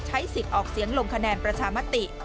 ใช้สิทธิ์ออกเสียงลงคะแนนประชามติ